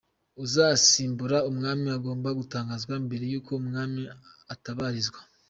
-Uzasimbura Umwami agomba gutangazwa mbere y’uko Umwami atabarizwa